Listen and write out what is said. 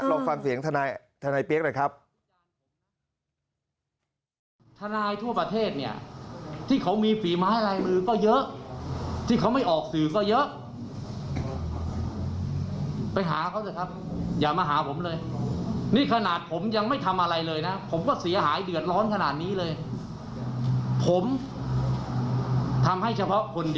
ลองฟังเสียงทนายเปี๊ยกหน่อยครับ